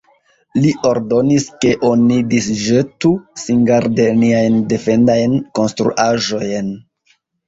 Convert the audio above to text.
Li ordonis, ke oni disĵetu singarde niajn defendajn konstruaĵojn.